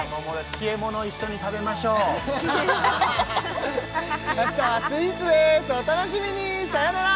消えもの一緒に食べましょう明日はスイーツですお楽しみにさよなら